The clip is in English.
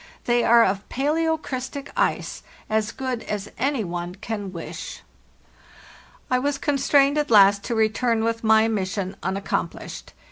They are of 'palaeocrystic ice,' as good as any one can wish.* "IT was constrained at last to return with my mission unaccomplished.